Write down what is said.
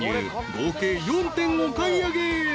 ［合計４点お買い上げ］